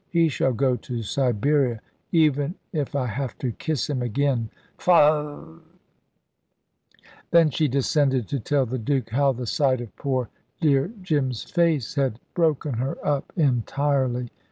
he shall go to Siberia, even if I have to kiss him again. Faugh!" Then she descended to tell the Duke how the sight of poor dear Jim's face had broken her up entirely.